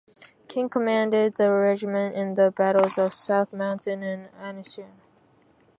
King commanded the regiment in the battles of South Mountain and Antietam.